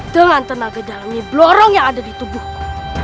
dengan tenaga dalami blorong yang ada di tubuhku